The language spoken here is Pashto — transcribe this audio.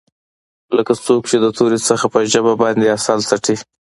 لکه څوک چې د تورې څخه په ژبه باندې عسل څټي.